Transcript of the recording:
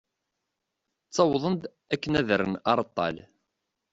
Ttawwḍen-d akken ad rren areṭṭal.